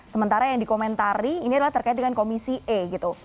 sementara yang dikomentari ini adalah terkait dengan komisi e gitu